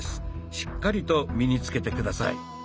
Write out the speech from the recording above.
しっかりと身につけて下さい。